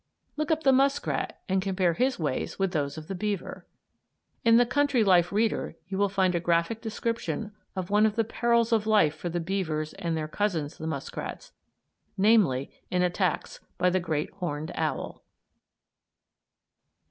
Look up the muskrat and compare his ways with those of the beaver. In the "Country Life Reader" you will find a graphic description of one of the perils of life for the beavers and their cousins the muskrats; namely in attacks by the great horned owl.